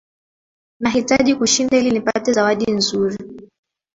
Nahitaji kushinda ili nipate zawadi nzuri